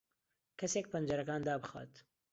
کەسێک پەنجەرەکان دابخات.